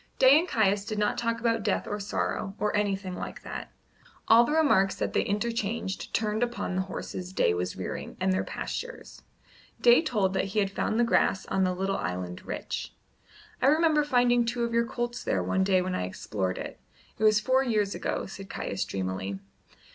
Day and Caius did not talk about death or sorrow, or anything like that. All the remarks that they interchanged turned upon the horses Day was rearing and their pastures. Day told that he had found the grass on the little island rich. "I remember finding two of your colts there one day when I explored it. It was four years ago," said Caius dreamily.